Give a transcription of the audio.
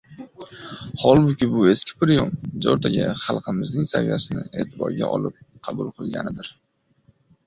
Holbuki, bu eski priyom jo‘rttaga, xalqimizning saviyasini e’tiborga olib qabul qilingandir.